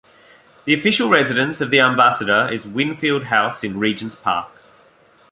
The official residence of the ambassador is Winfield House in Regent's Park.